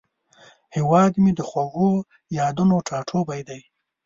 هیواد مې د خوږو یادونو ټاټوبی دی